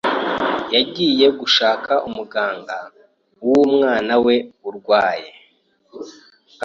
Yagiye gushaka umuganga w’umwana we urwaye.